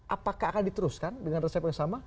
apakah akan diteruskan dengan resep yang sama